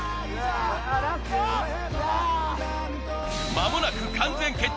間もなく完全決着